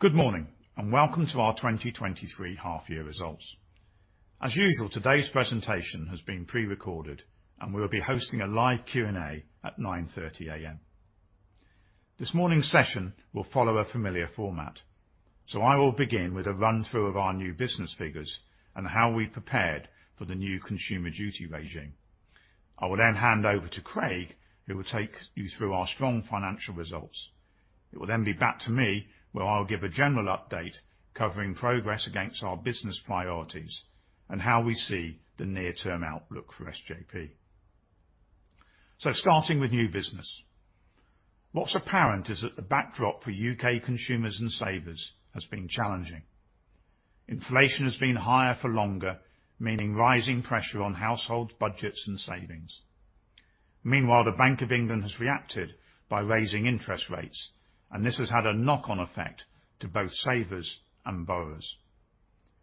Good morning, and Welcome to our 2023 Half Year Results. As usual, today's presentation has been pre-recorded, and we will be hosting a live Q&A at 9:30 A.M. This morning's session will follow a familiar format. I will begin with a run-through of our new business figures and how we prepared for the new Consumer Duty regime. I will then hand over to Craig, who will take you through our strong financial results. It will then be back to me, where I'll give a general update covering progress against our business priorities and how we see the near-term outlook for SJP. Starting with new business. What's apparent is that the backdrop for U.K. consumers and savers has been challenging. Inflation has been higher for longer, meaning rising pressure on household budgets and savings. Meanwhile, the Bank of England has reacted by raising interest rates, and this has had a knock-on effect to both savers and borrowers.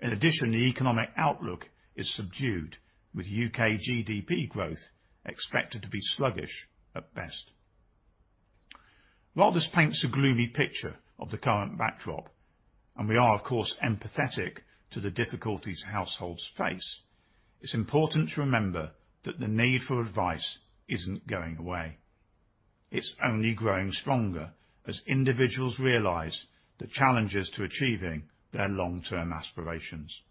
In addition, the economic outlook is subdued, with U.K. GDP growth expected to be sluggish at best. While this paints a gloomy picture of the current backdrop, and we are, of course, empathetic to the difficulties households face, it's important to remember that the need for advice isn't going away. It's only growing stronger as individuals realize the challenges to achieving their long-term aspirations.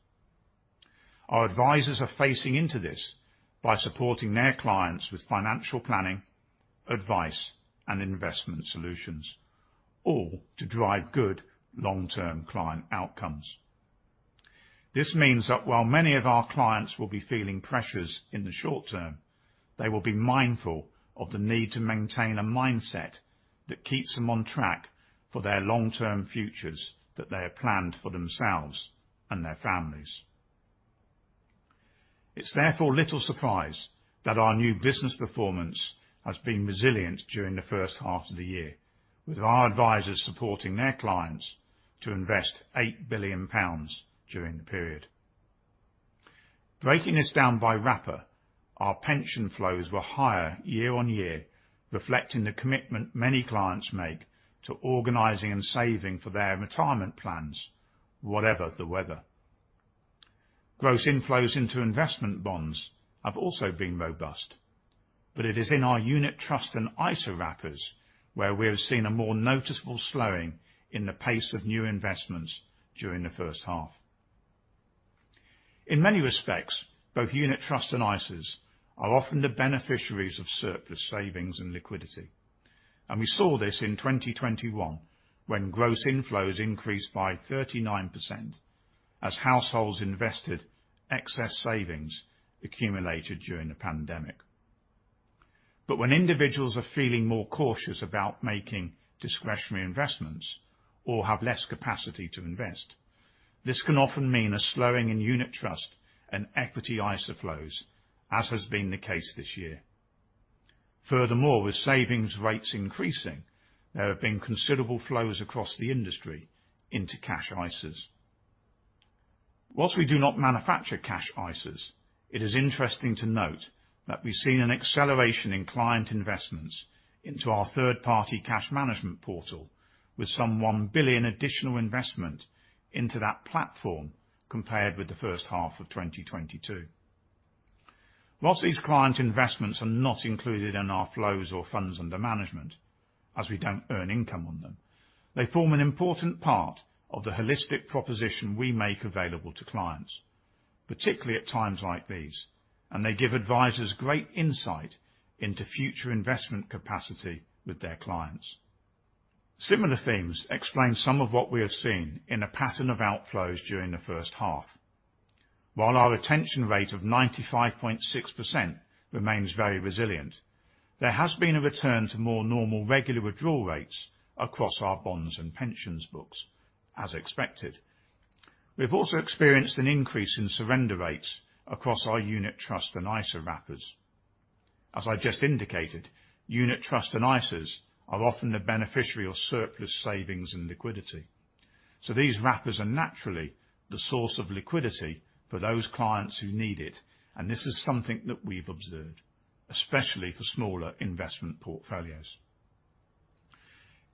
Our advisors are facing into this by supporting their clients with financial planning, advice, and investment solutions, all to drive good long-term client outcomes. This means that while many of our clients will be feeling pressures in the short term, they will be mindful of the need to maintain a mindset that keeps them on track for their long-term futures that they have planned for themselves and their families. It's therefore little surprise that our new business performance has been resilient during the H1 of the year, with our advisors supporting their clients to invest 8 billion pounds during the period. Breaking this down by wrapper, our pension flows were higher year-over-year, reflecting the commitment many clients make to organizing and saving for their retirement plans, whatever the weather. Gross inflows into investment bonds have also been robust. It is in our unit trust and ISA wrappers where we have seen a more noticeable slowing in the pace of new investments during the H1. In many respects, both unit trust and ISAs are often the beneficiaries of surplus savings and liquidity. We saw this in 2021, when gross inflows increased by 39% as households invested excess savings accumulated during the pandemic. When individuals are feeling more cautious about making discretionary investments or have less capacity to invest, this can often mean a slowing in unit trust and equity ISA flows, as has been the case this year. Furthermore, with savings rates increasing, there have been considerable flows across the industry into cash ISAs. Whilst we do not manufacture cash ISAs, it is interesting to note that we've seen an acceleration in client investments into our third-party cash management portal, with some 1 billion additional investment into that platform compared with the H1 of 2022. Whilst these client investments are not included in our flows or funds under management, as we don't earn income on them, they form an important part of the holistic proposition we make available to clients, particularly at times like these, and they give advisors great insight into future investment capacity with their clients. Similar themes explain some of what we have seen in a pattern of outflows during the H1. While our retention rate of 95.6% remains very resilient, there has been a return to more normal regular withdrawal rates across our bonds and pensions books, as expected. We've also experienced an increase in surrender rates across our unit trust and ISA wrappers. As I just indicated, unit trust and ISAs are often the beneficiary of surplus savings and liquidity. These wrappers are naturally the source of liquidity for those clients who need it, and this is something that we've observed, especially for smaller investment portfolios.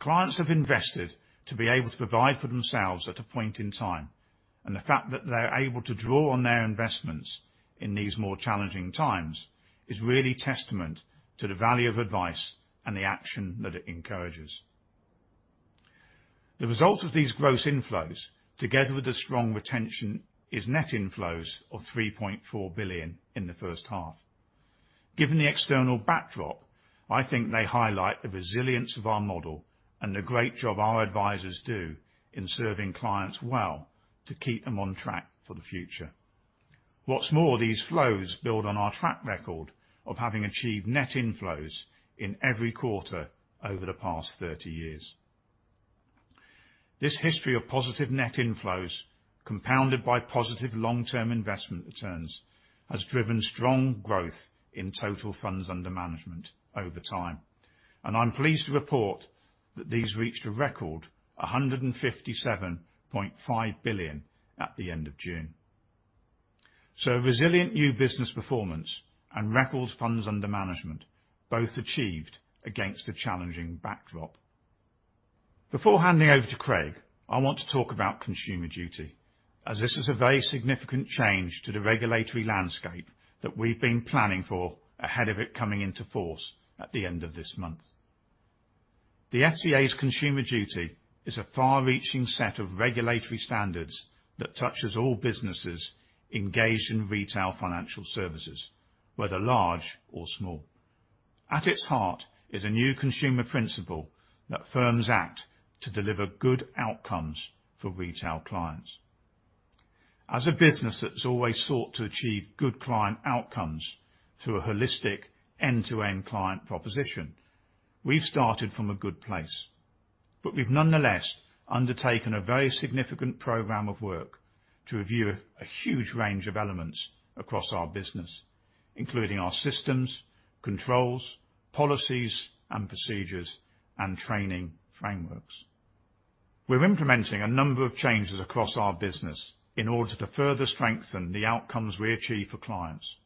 Clients have invested to be able to provide for themselves at a point in time, and the fact that they are able to draw on their investments in these more challenging times is really testament to the value of advice and the action that it encourages. The result of these gross inflows, together with the strong retention, is net inflows of 3.4 billion in the H1. Given the external backdrop, I think they highlight the resilience of our model and the great job our advisors do in serving clients well to keep them on track for the future. What's more, these flows build on our track record of having achieved net inflows in every quarter over the past 30 years. This history of positive net inflows, compounded by positive long-term investment returns, has driven strong growth in total funds under management over time, and I'm pleased to report that these reached a record 157.5 billion at the end of June. Resilient new business performance and record funds under management, both achieved against a challenging backdrop. Before handing over to Craig, I want to talk about Consumer Duty, as this is a very significant change to the regulatory landscape that we've been planning for ahead of it coming into force at the end of this month. The FCA's Consumer Duty is a far-reaching set of regulatory standards that touches all businesses engaged in retail financial services, whether large or small. At its heart is a new Consumer Principle that firms act to deliver good outcomes for retail clients. As a business that's always sought to achieve good client outcomes through a holistic, end-to-end client proposition, we've started from a good place, we've nonetheless undertaken a very significant program of work to review a huge range of elements across our business, including our systems, controls, policies, and procedures, and training frameworks. We're implementing a number of changes across our business in order to further strengthen the outcomes we achieve for clients.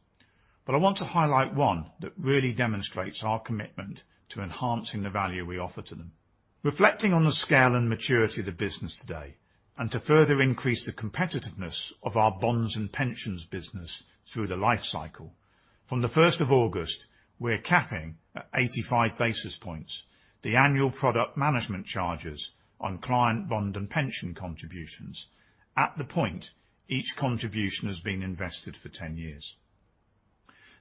I want to highlight one that really demonstrates our commitment to enhancing the value we offer to them. Reflecting on the scale and maturity of the business today, to further increase the competitiveness of our bonds and pensions business through the life cycle, from the 1 August, we're capping at 85 basis points, the annual product management charges on client bond and pension contributions at the point each contribution has been invested for 10 years.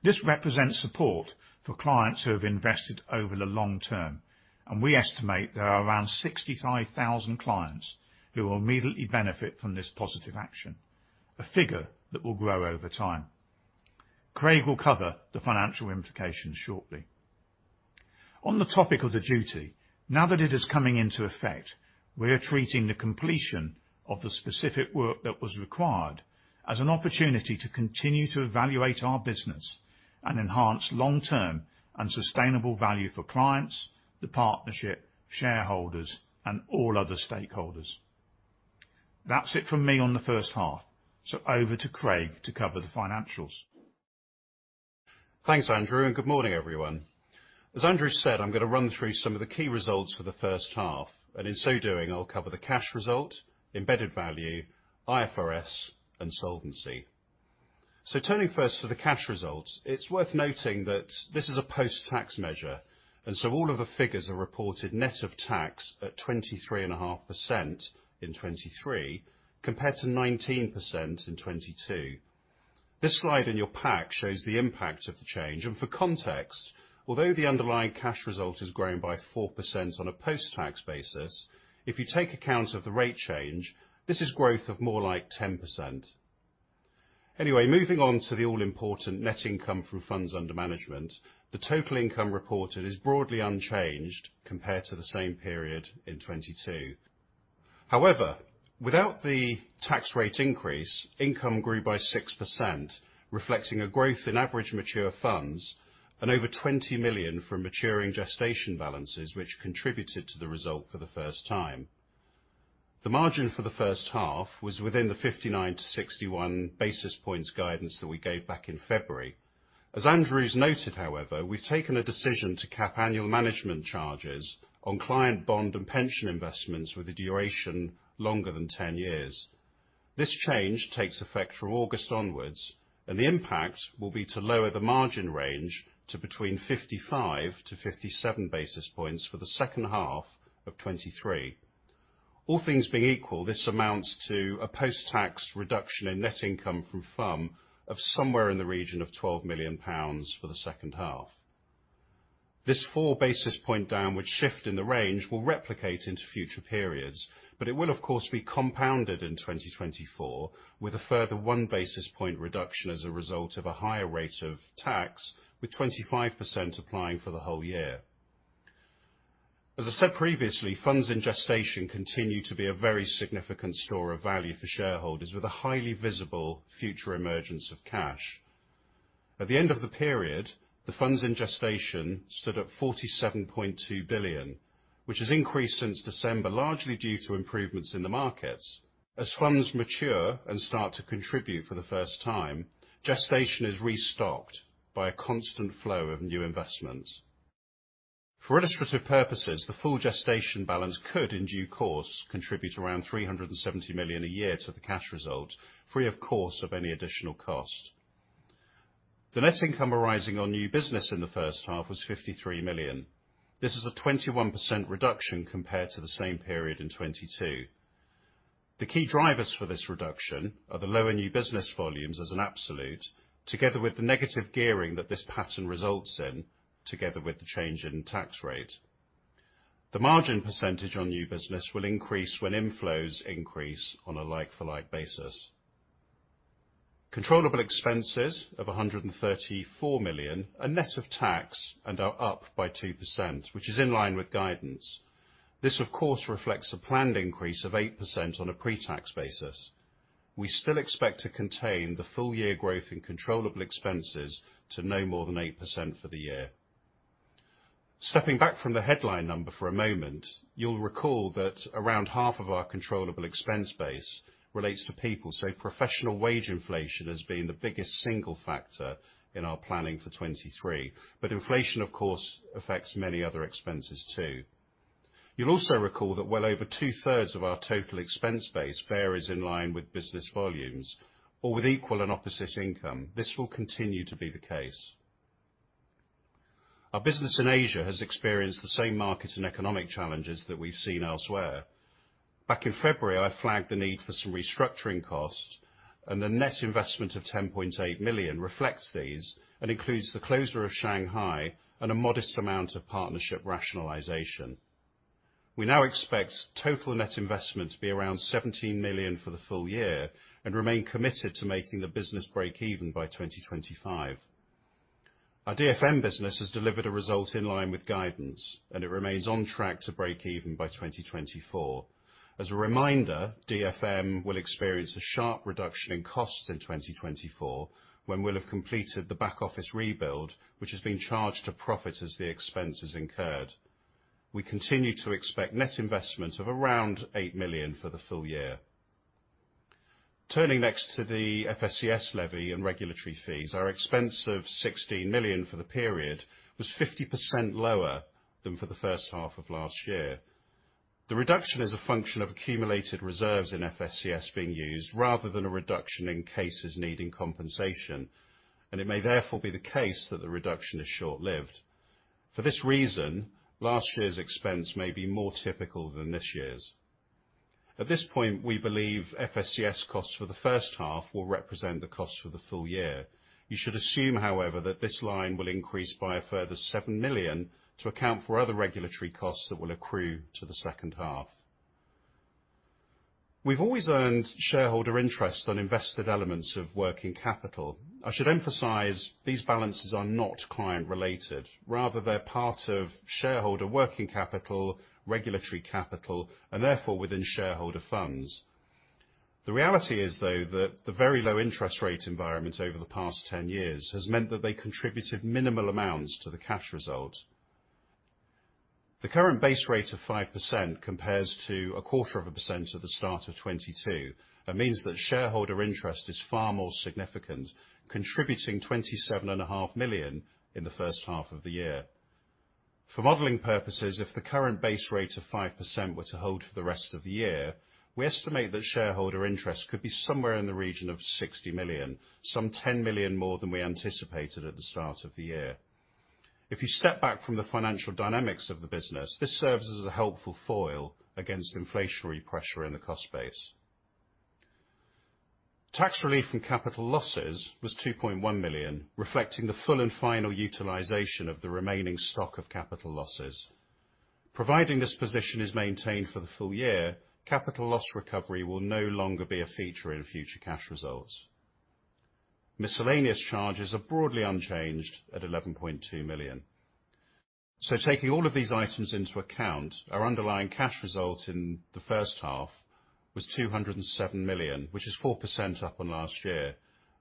This represents support for clients who have invested over the long term, and we estimate there are around 65,000 clients who will immediately benefit from this positive action, a figure that will grow over time. Craig will cover the financial implications shortly. On the topic of the Duty, now that it is coming into effect, we are treating the completion of the specific work that was required as an opportunity to continue to evaluate our business and enhance long-term and sustainable value for clients, the partnership, shareholders, and all other stakeholders. That's it from me on the H1. Over to Craig to cover the financials. Thanks, Andrew. Good morning, everyone. As Andrew said, I'm gonna run through some of the key results for the H1. In so doing, I'll cover the cash result, embedded value, IFRS, and solvency. Turning first to the cash results, it's worth noting that this is a post-tax measure. All of the figures are reported net of tax at 23.5% in 2023, compared to 19% in 2022. This slide in your pack shows the impact of the change. For context, although the underlying cash result has grown by 4% on a post-tax basis, if you take account of the rate change, this is growth of more like 10%. Moving on to the all-important net income from funds under management, the total income reported is broadly unchanged compared to the same period in 2022. Without the tax rate increase, income grew by 6%, reflecting a growth in average mature funds and over 20 million from maturing gestation balances, which contributed to the result for the first time. The margin for the H1 was within the 59 to 61 basis points guidance that we gave back in February. As Andrew's noted, however, we've taken a decision to cap annual management charges on client bond and pension investments with a duration longer than 10 years. This change takes effect from August onwards. The impact will be to lower the margin range to between 55 to 57 basis points for the H2 of 2023. All things being equal, this amounts to a post-tax reduction in net income from FUM of somewhere in the region of 12 million pounds for the H2. This four basis point downward shift in the range will replicate into future periods, but it will, of course be compounded in 2024, with a further one basis point reduction as a result of a higher rate of tax, with 25% applying for the whole year. As I said previously, funds in gestation continue to be a very significant store of value for shareholders with a highly visible future emergence of cash. At the end of the period, the funds in gestation stood at 47.2 billion, which has increased since December, largely due to improvements in the markets. As funds mature and start to contribute for the first time, gestation is restocked by a constant flow of new investments. For illustrative purposes, the full gestation balance could, in due course, contribute around 370 million a year to the cash result, free, of course, of any additional cost. The net income arising on new business in the H1 was 53 million. This is a 21% reduction compared to the same period in 2022. The key drivers for this reduction are the lower new business volumes as an absolute, together with the negative gearing that this pattern results in, together with the change in tax rate. The margin percentage on new business will increase when inflows increase on a like-for-like basis. controllable expenses of 134 million are net of tax and are up by 2%, which is in line with guidance. This, of course, reflects a planned increase of 8% on a pre-tax basis. We still expect to contain the full year growth in controllable expenses to no more than 8% for the year. Stepping back from the headline number for a moment, you'll recall that around half of our controllable expense base relates to people, professional wage inflation has been the biggest single factor in our planning for 2023. Inflation, of course, affects many other expenses, too. You'll also recall that well over 2/3 of our total expense base varies in line with business volumes or with equal and opposite income. This will continue to be the case. Our business in Asia has experienced the same market and economic challenges that we've seen elsewhere. Back in February, I flagged the need for some restructuring costs, the net investment of 10.8 million reflects these, and includes the closure of Shanghai and a modest amount of partnership rationalization. We now expect total net investment to be around 17 million for the full year and remain committed to making the business break even by 2025. Our DFM business has delivered a result in line with guidance, and it remains on track to break even by 2024. As a reminder, DFM will experience a sharp reduction in costs in 2024, when we'll have completed the back office rebuild, which has been charged to profit as the expense is incurred. We continue to expect net investment of around 8 million for the full year. Turning next to the FSCS Levy and regulatory fees, our expense of 16 million for the period was 50% lower than for the H1 of last year. The reduction is a function of accumulated reserves in FSCS being used, rather than a reduction in cases needing compensation. It may therefore be the case that the reduction is short lived. For this reason, last year's expense may be more typical than this year's. At this point, we believe FSCS costs for the H1 will represent the cost for the full year. You should assume, however, that this line will increase by a further 7 million to account for other regulatory costs that will accrue to the H2. We've always earned shareholder interest on invested elements of working capital. I should emphasize, these balances are not client-related. Rather, they're part of shareholder working capital, regulatory capital, and therefore within shareholder funds. The reality is, though, that the very low interest rate environment over the past 10 years has meant that they contributed minimal amounts to the cash result. The current base rate of 5% compares to 0.25% at the start of 2022. Means that shareholder interest is far more significant, contributing 27.5 million in the H1 of the year. For modeling purposes, if the current base rate of 5% were to hold for the rest of the year, we estimate that shareholder interest could be somewhere in the region of 60 million, some 10 million more than we anticipated at the start of the year. If you step back from the financial dynamics of the business, this serves as a helpful foil against inflationary pressure in the cost base. Tax relief and capital losses was 2.1 million, reflecting the full and final utilization of the remaining stock of capital losses. Providing this position is maintained for the full year, capital loss recovery will no longer be a feature in future cash results. Miscellaneous charges are broadly unchanged at 11.2 million. Taking all of these items into account, our underlying cash result in the H1 was 207 million, which is 4% up on last year.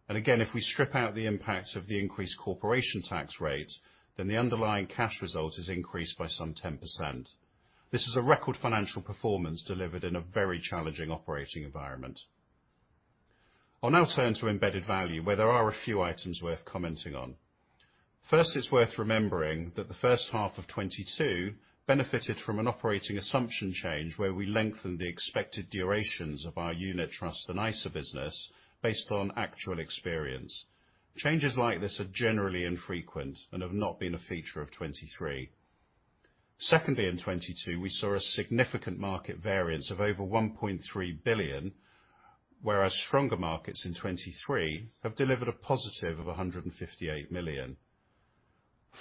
Again, if we strip out the impact of the increased corporation tax rate, then the underlying cash result is increased by some 10%. This is a record financial performance delivered in a very challenging operating environment. I'll now turn to embedded value, where there are a few items worth commenting on. It's worth remembering that the H1 of 2022 benefited from an operating assumption change, where we lengthened the expected durations of our unit trust and ISA business based on actual experience. Changes like this are generally infrequent and have not been a feature of 2023. In 2022, we saw a significant market variance of over 1.3 billion, whereas stronger markets in 2023 have delivered a positive of 158 million.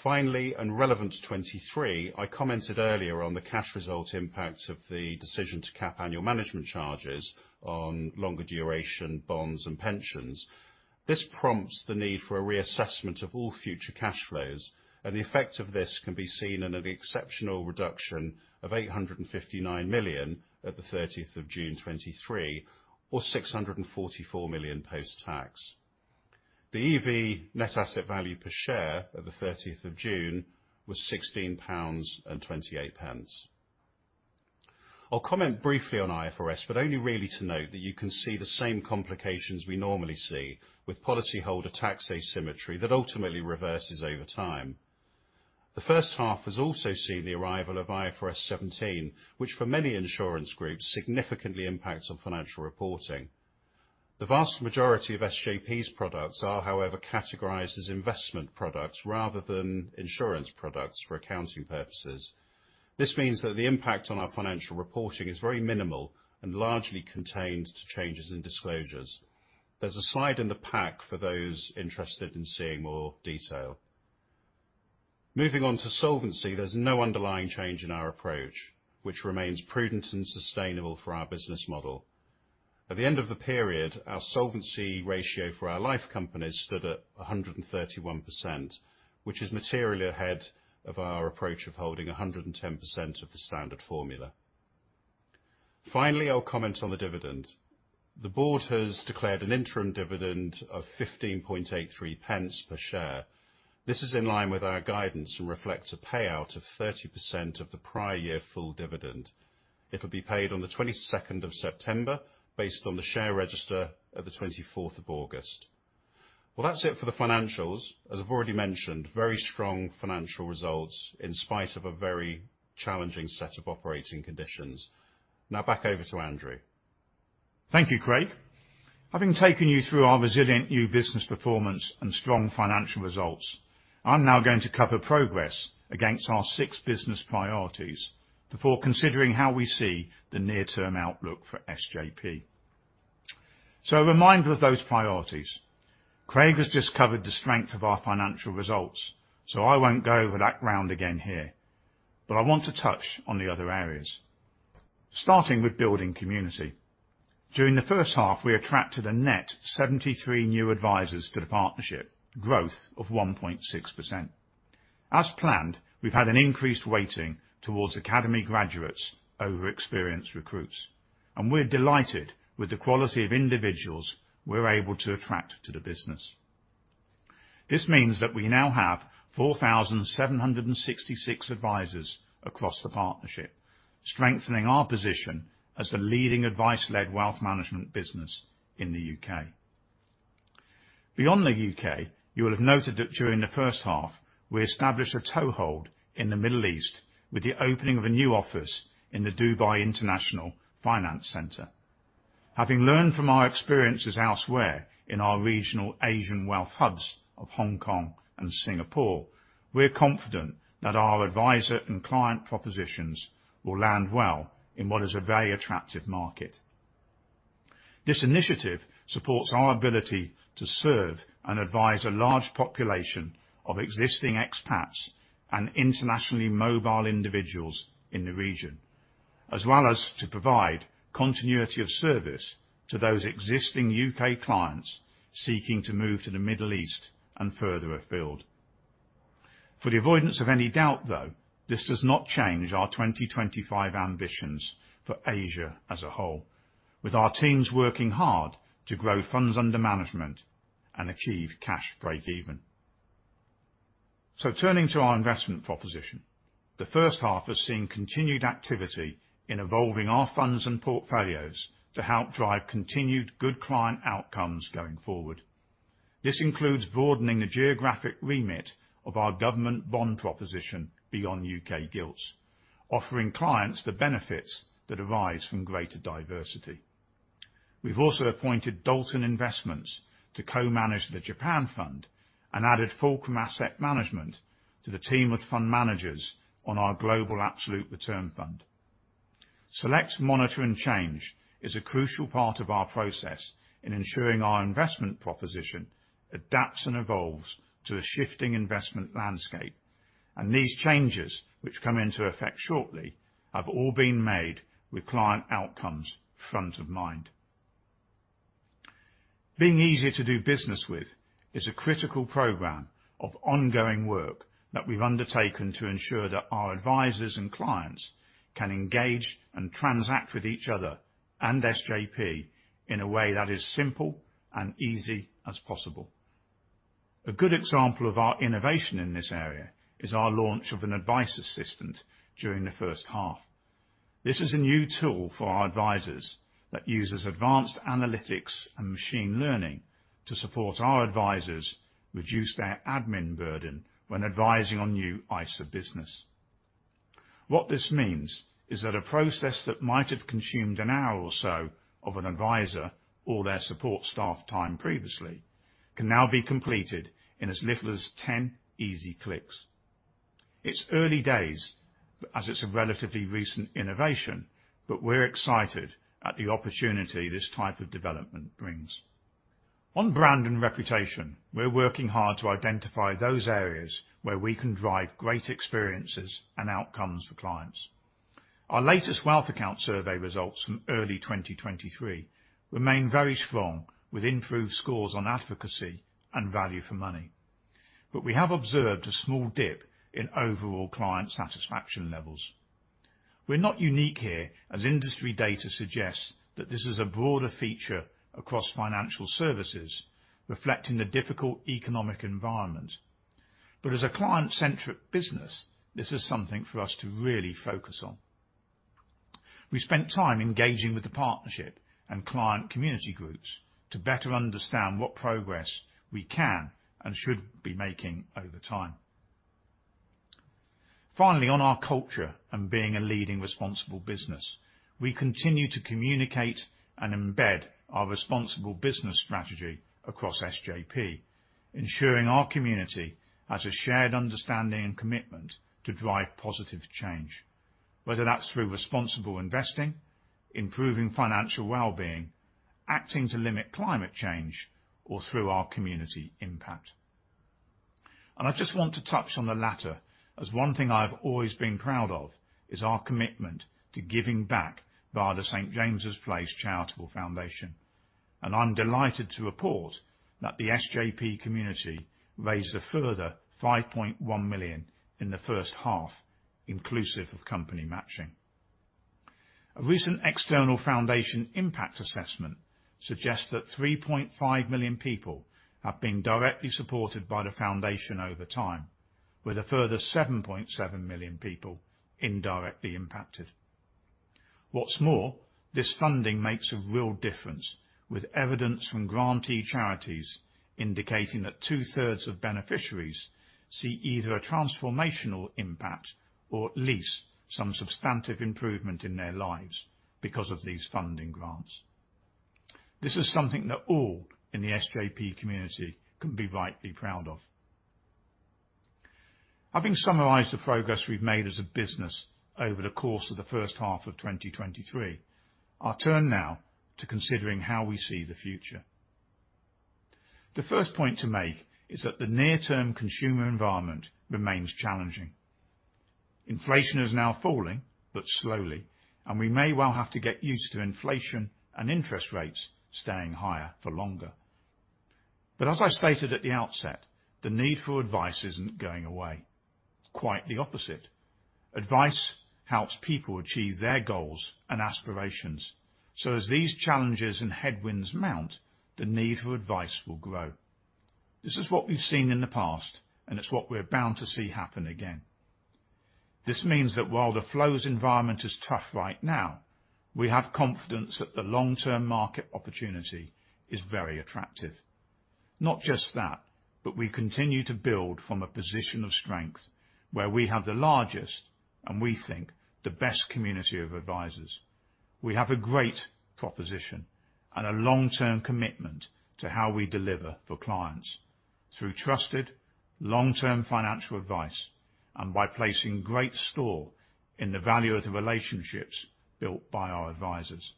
And relevant to 2023, I commented earlier on the cash result impact of the decision to cap annual management charges on longer duration bonds and pensions. This prompts the need for a reassessment of all future cash flows, and the effect of this can be seen in an exceptional reduction of 859 million at the 30 June 2023, or 644 million post-tax. The EV net asset value per share at the 30 June was 16.28 pounds. I'll comment briefly on IFRS, only really to note that you can see the same complications we normally see with policyholder tax asymmetry that ultimately reverses over time. The H1 has also seen the arrival of IFRS 17, which for many insurance groups, significantly impacts on financial reporting. The vast majority of SJP's products are, however, categorized as investment products rather than insurance products for accounting purposes. This means that the impact on our financial reporting is very minimal and largely contained to changes in disclosures. There's a slide in the pack for those interested in seeing more detail. Moving on to solvency, there's no underlying change in our approach, which remains prudent and sustainable for our business model. At the end of the period, our solvency ratio for our life companies stood at 131%, which is materially ahead of our approach of holding 110% of the standard formula. Finally, I'll comment on the dividend. The board has declared an interim dividend of 15.83 pence per share. This is in line with our guidance and reflects a payout of 30% of the prior year full dividend. It'll be paid on the 22 September, based on the share register of the 24 August. Well, that's it for the financials. As I've already mentioned, very strong financial results in spite of a very challenging set of operating conditions. Now back over to Andrew. Thank you, Craig. Having taken you through our resilient new business performance and strong financial results, I'm now going to cover progress against our six business priorities before considering how we see the near-term outlook for SJP. A reminder of those priorities. Craig has just covered the strength of our financial results, so I won't go over that ground again here, but I want to touch on the other areas. Starting with building community. During the H1, we attracted a net 73 new advisors to the partnership, growth of 1.6%. As planned, we've had an increased weighting towards academy graduates over experienced recruits, and we're delighted with the quality of individuals we're able to attract to the business. This means that we now have 4,766 advisors across the partnership, strengthening our position as the leading advice-led wealth management business in the U.K.. Beyond the U.K., you will have noted that during the H1, we established a toehold in the Middle East with the opening of a new office in the Dubai International Financial Centre. Having learned from our experiences elsewhere in our regional Asian wealth hubs of Hong Kong and Singapore, we're confident that our advisor and client propositions will land well in what is a very attractive market. This initiative supports our ability to serve and advise a large population of existing expats and internationally mobile individuals in the region, as well as to provide continuity of service to those existing U.K. clients seeking to move to the Middle East and further afield. For the avoidance of any doubt, though, this does not change our 2025 ambitions for Asia as a whole, with our teams working hard to grow funds under management and achieve cash break even. Turning to our investment proposition, the H1 has seen continued activity in evolving our funds and portfolios to help drive continued good client outcomes going forward. This includes broadening the geographic remit of our government bond proposition beyond U.K. gilts, offering clients the benefits that arise from greater diversity. We've also appointed Dalton Investments to co-manage the Japan fund and added Fulcrum Asset Management to the team of fund managers on our Global Absolute Return Unit Trust. Select, Monitor and Change is a crucial part of our process in ensuring our investment proposition adapts and evolves to a shifting investment landscape. These changes, which come into effect shortly, have all been made with client outcomes front of mind. Being easier to do business with is a critical program of ongoing work that we've undertaken to ensure that our advisors and clients can engage and transact with each other and SJP in a way that is simple and easy as possible. A good example of our innovation in this area is our launch of an Advice Assistant during the H1. This is a new tool for our advisors that uses advanced analytics and machine learning to support our advisors reduce their admin burden when advising on new ISA business. What this means is that a process that might have consumed an hour or so of an advisor or their support staff time previously, can now be completed in as little as 10 easy clicks. It's early days, as it's a relatively recent innovation, but we're excited at the opportunity this type of development brings. On brand and reputation, we're working hard to identify those areas where we can drive great experiences and outcomes for clients. Our latest Wealth Account Survey results from early 2023 remain very strong, with improved scores on advocacy and value for money. We have observed a small dip in overall client satisfaction levels. We're not unique here, as industry data suggests that this is a broader feature across financial services, reflecting the difficult economic environment. As a client-centric business, this is something for us to really focus on. We spent time engaging with the partnership and client community groups to better understand what progress we can and should be making over time. Finally, on our culture and being a leading, responsible business, we continue to communicate and embed our responsible business strategy across SJP, ensuring our community has a shared understanding and commitment to drive positive change, whether that's through responsible investing, improving financial well-being, acting to limit climate change, or through our community impact. I just want to touch on the latter, as one thing I've always been proud of is our commitment to giving back via the St. James's Place Charitable Foundation. I'm delighted to report that the SJP community raised a further 5.1 million in the H1, inclusive of company matching. A recent external foundation impact assessment suggests that 3.5 million people have been directly supported by the foundation over time, with a further 7.7 million people indirectly impacted. What's more, this funding makes a real difference, with evidence from grantee charities indicating that two-thirds of beneficiaries see either a transformational impact or at least some substantive improvement in their lives because of these funding grants. This is something that all in the SJP community can be rightly proud of. Having summarized the progress we've made as a business over the course of the H1 of 2023, I'll turn now to considering how we see the future. The first point to make is that the near-term consumer environment remains challenging. Inflation is now falling, but slowly, we may well have to get used to inflation and interest rates staying higher for longer. As I stated at the outset, the need for advice isn't going away. Quite the opposite. Advice helps people achieve their goals and aspirations, as these challenges and headwinds mount, the need for advice will grow. This is what we've seen in the past, and it's what we're bound to see happen again. This means that while the flows environment is tough right now, we have confidence that the long-term market opportunity is very attractive. Not just that, we continue to build from a position of strength where we have the largest, and we think, the best community of advisors. We have a great proposition and a long-term commitment to how we deliver for clients through trusted, long-term financial advice and by placing great store in the value of the relationships built by our advisors.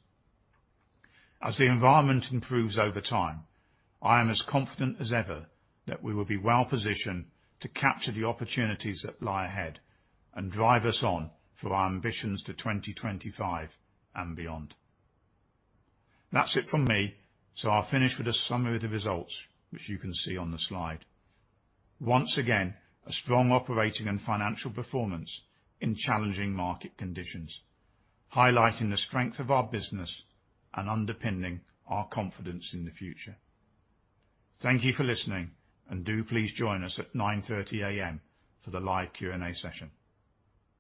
As the environment improves over time, I am as confident as ever that we will be well-positioned to capture the opportunities that lie ahead and drive us on for our ambitions to 2025 and beyond. That's it from me. I'll finish with a summary of the results, which you can see on the slide. Once again, a strong operating and financial performance in challenging market conditions, highlighting the strength of our business and underpinning our confidence in the future. Thank you for listening, and do please join us at 9:30 A.M. for the live Q&A session.